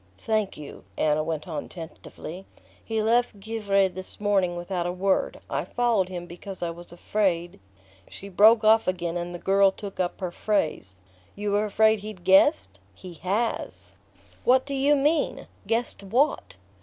"Thank you." Anna went on tentatively: "He left Givre this morning without a word. I followed him because I was afraid..." She broke off again and the girl took up her phrase. "You were afraid he'd guessed? He HAS..." "What do you mean guessed what?"